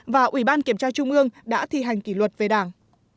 chủ tịch ubnd đã thi hành kỷ luật về đảng